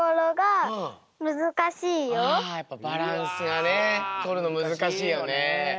やっぱバランスがねとるのむずかしいよね。